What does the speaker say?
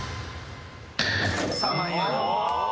３万円。